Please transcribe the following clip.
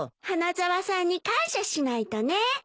花沢さんに感謝しないとね。